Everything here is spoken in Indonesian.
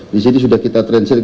disini sudah kita transfer